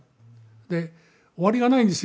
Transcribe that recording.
で終わりがないんですよ。